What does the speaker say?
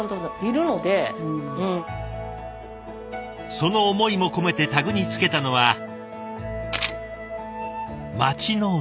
その思いも込めてタグにつけたのは町の名前。